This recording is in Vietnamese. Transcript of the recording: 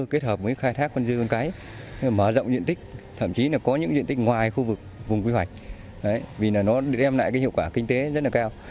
kết hợp với khai thác rươi cấy mở rộng diện tích thậm chí là có những diện tích ngoài khu vực vùng quy hoạch vì nó đem lại hiệu quả kinh tế rất là cao